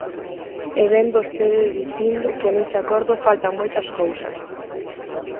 E vén vostede dicindo que nese acordo faltan moitas cousas.